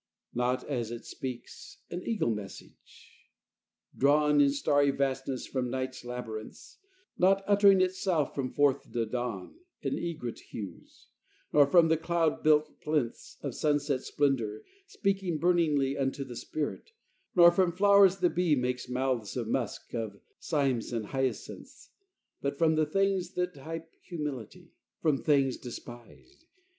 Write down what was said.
Not as it speaks an eagle message drawn In starry vastness from night's labyrinths: Not uttering itself from forth the dawn In egret hues: nor from the cloud built plinths Of sunset's splendor, speaking burningly Unto the spirit; nor from flow'rs the bee Makes mouths of musk of, cymes of hyacinths, But from the things that type humility. From things despised.